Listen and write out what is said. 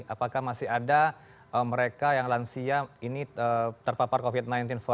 apakah masih ada mereka yang lansia ini terpapar covid sembilan belas